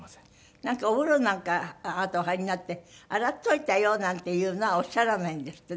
なんかお風呂なんかあなたお入りになって洗っといたよなんていうのはおっしゃらないんですってね。